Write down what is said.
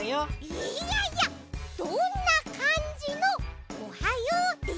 いやいやどんなかんじの「おはよう」でしたかね？